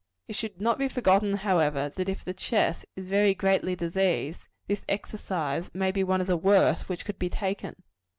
It should not be forgotten, however, that if the chest is very greatly diseased, this exercise may be one of the worst which could be taken.